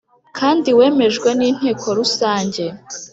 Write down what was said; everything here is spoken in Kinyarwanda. Kandi wemejwe n inteko rusange